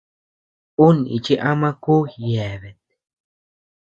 Ú nichi ama kù yéabea.